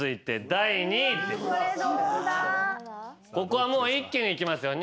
ここは一気にいきますよ。